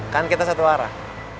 kan kita satu arah